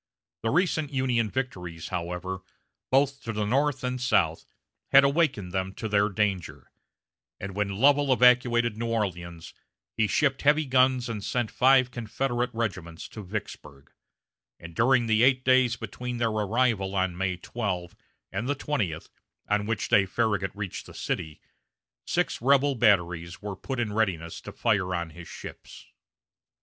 The recent Union victories, however, both to the north and south, had awakened them to their danger; and when Lovell evacuated New Orleans, he shipped heavy guns and sent five Confederate regiments to Vicksburg; and during the eight days between their arrival on May 12 and the twentieth, on which day Farragut reached the city, six rebel batteries were put in readiness to fire on his ships.